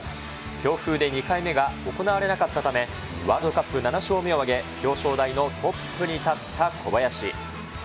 強風で２回目が行われなかったため、ワールドカップ７勝目を挙げ、表彰台のトップに立った小林。